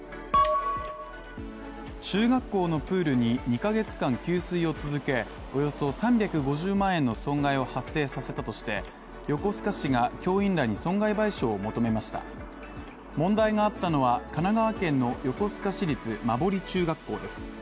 中学校のプールに２ヶ月間給水を続け、およそ３５０万円の損害を発生させたとして、横須賀市が教員らに損害賠償を求めました問題があったのは神奈川県の横須賀市立馬堀中学校です。